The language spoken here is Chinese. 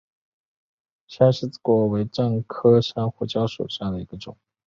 山柿子果为樟科山胡椒属下的一个种。